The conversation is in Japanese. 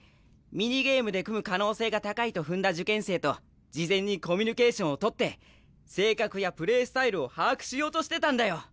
ミニゲームで組む可能性が高いと踏んだ受験生と事前にコミュニケーションをとって性格やプレースタイルを把握しようとしてたんだよ！